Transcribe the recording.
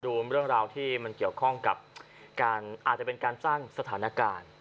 ดูเรื่องราวที่มันเกี่ยวข้องกับการอาจจะเป็นการสร้างสถานการณ์